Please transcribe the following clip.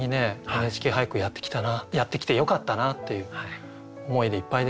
「ＮＨＫ俳句」やってきたなやってきてよかったなという思いでいっぱいですね。